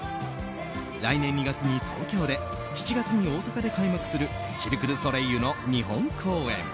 来年２月に東京で７月に大阪で開幕するシルク・ドゥ・ソレイユの日本公演。